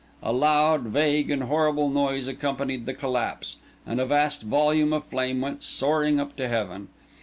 A loud, vague, and horrible noise accompanied the collapse, and a vast volume of flame went soaring up to heaven.